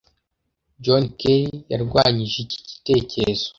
John Kerry yarwanyije iki gitekerezo.